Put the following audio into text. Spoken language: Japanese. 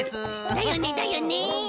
だよねだよね。